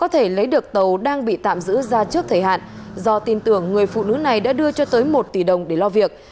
tàu đang bị tạm giữ ra trước thời hạn do tin tưởng người phụ nữ này đã đưa cho tới một tỷ đồng để lo việc